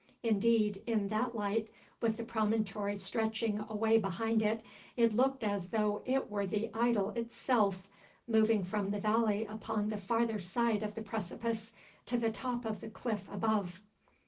Indeed, in that light, with the promontory stretching away behind it, it looked as though it were the idol itself, moved from the valley upon the farther side of the precipice to the top of the cliff above.